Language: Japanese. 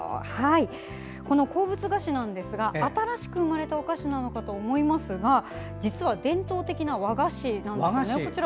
この鉱物菓子なんですが新しく生まれたお菓子なのかと思いますが実は、伝統的な和菓子なんです。